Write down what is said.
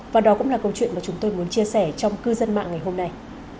và đó cũng là câu chuyện mà chúng tôi muốn chia sẻ trong cư dân mạng ngày hôm nay